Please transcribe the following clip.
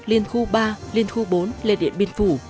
liên khu ba liên khu bốn lên điện biên phủ